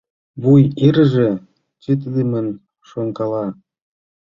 Вуй йырже чытыдымын шонкала.